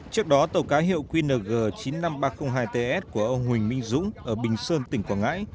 trước đó tàu cá hiệu qng chín mươi năm nghìn ba trăm linh hai ts của ông huỳnh minh dũng ở bình sơn tỉnh quảng ngãi